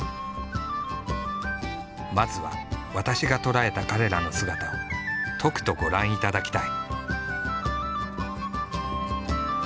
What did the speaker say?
まずは「ワタシ」が捉えた彼らの姿をとくとご覧いただきたい。